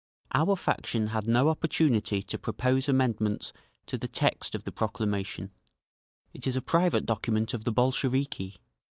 "Our faction had no opportunity to propose amendments to the text of the proclamation; it is a private document of the Bolsheviki.